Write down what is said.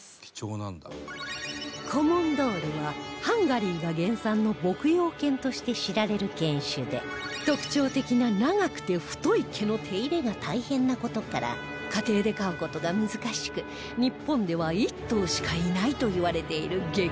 コモンドールはハンガリーが原産の牧羊犬として知られる犬種で特徴的な長くて太い毛の手入れが大変な事から家庭で飼う事が難しく日本では１頭しかいないといわれている激